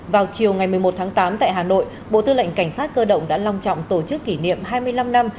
vào chiều ngày một mươi một tháng tám tại hà nội bộ tư lệnh cảnh sát cơ động đã long trọng tổ chức kỷ niệm hai mươi năm năm